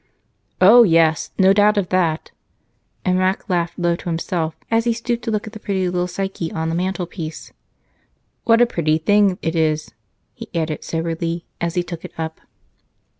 "Oh, yes! No doubt of that," and Mac laughed low to himself as he stooped to look at the little Psyche on the mantelpiece. "What a pretty thing it is!" he added soberly as he took it up.